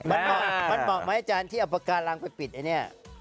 มันเหมาะไหมอาจารย์ที่หลังปากกาลังไปปิดอันนี้